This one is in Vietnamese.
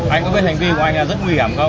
anh có biết hành vi của anh là rất nguy hiểm không